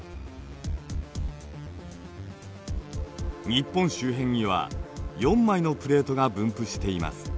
日本周辺には４枚のプレートが分布しています。